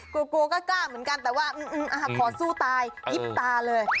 กลัวกลัวกล้ากล้าเหมือนกันแต่ว่าอืมอาหารขอสู้ตายยิบตาเลย